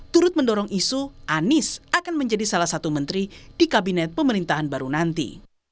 turut mendorong isu anies akan menjadi salah satu menteri di kabinet pemerintahan baru nanti